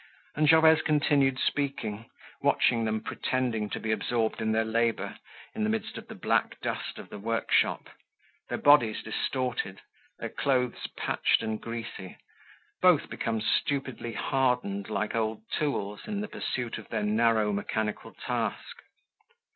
And Gervaise continued speaking, watching them pretending to be absorbed in their labor in the midst of the black dust of the workshop, their bodies distorted, their clothes patched and greasy, both become stupidly hardened like old tools in the pursuit of their narrow mechanical task.